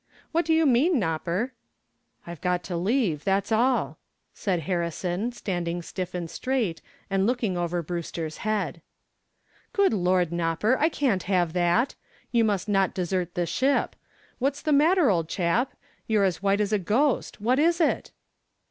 "What do you mean, Nopper?" "I've got to leave, that's all," said Harrison, standing stiff and straight and looking over Brewster's head. "Good Lord, Nopper, I can't have that. You must not desert the ship. What's the matter, old chap? You're as white as a ghost. What is it?"